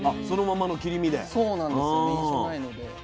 そのままの切り身で。